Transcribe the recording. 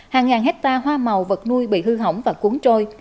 hàng ngàn hectare hoa màu vật nuôi bị hư hỏng và cuốn trôi